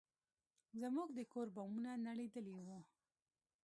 زموږ د کور بامونه نړېدلي وو.